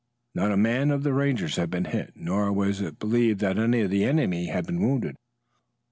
Not a man of the Rangers had been hit, nor was it believed that any of the enemy had been wounded.